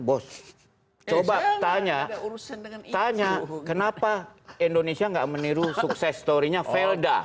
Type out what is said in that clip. bos coba tanya tanya kenapa indonesia nggak meniru sukses story nya velda